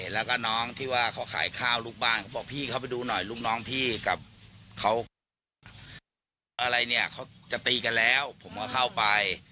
แล้วก็น้องที่ว่าเขาขายข้าวลูกบ้านเขาบอกพี่เขาไปดูหน่อยลูกน้องพี่กับเขาอะไรเนี่ยเขาจะตีกันแล้วผมก็เข้าไป